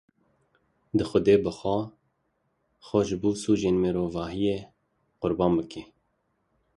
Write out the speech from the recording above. Dê Xwedê bi xwe, xwe ji bo sûcên mirovahiyê qurban bike.